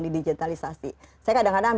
di digitalisasi saya kadang kadang